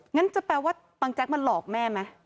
งั้นจะแปลว่าบางแจ๊กมาหลอกแม่ไหม